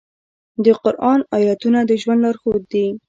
د قرآن آیاتونه د ژوند لارښود دي.